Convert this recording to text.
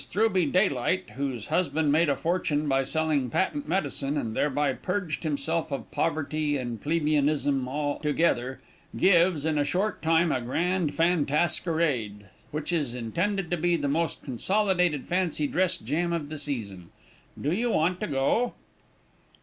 Throughby Daylight, whose husband made a fortune by selling patent medicine, and thereby purged himself of poverty and plebeianism together, gives, in a short time, a grand fantasquerade, which is intended to be the most consolidated fancy dress jam of the season. Do you want to go?"